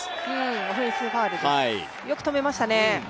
オフェンスファウルです、よく止めましたね。